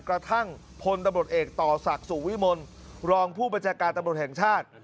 กระทั่งพลตำรวจเอกต่อศักดิ์สุวิมลรองผู้บัญชาการตำรวจแห่งชาติ